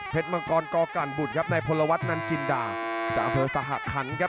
มังกรกกันบุตรครับในพลวัฒนันจินดาจากอำเภอสหคันครับ